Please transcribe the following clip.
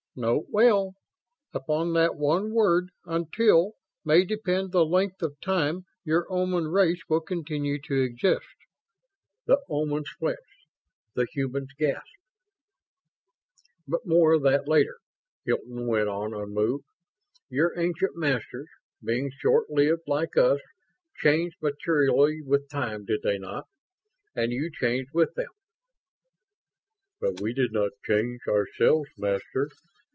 Note well: Upon that one word 'until' may depend the length of time your Oman race will continue to exist." The Omans flinched; the humans gasped. "But more of that later," Hilton went on, unmoved. "Your ancient Masters, being short lived like us, changed materially with time, did they not? And you changed with them?" "But we did not change ourselves, Master.